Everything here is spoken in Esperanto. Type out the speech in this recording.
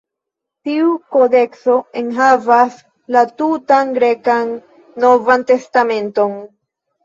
Tiu kodekso enhavas la tutan grekan Novan Testamenton.